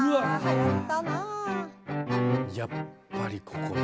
やっぱりここで。